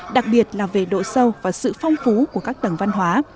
đặc biệt là về độ sâu và sự phong phú của các tầng văn hóa